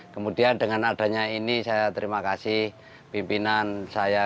kemudian dengan adanya ini saya terima kasih pimpinan saya